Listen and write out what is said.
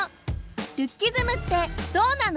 ルッキズムってどうなの？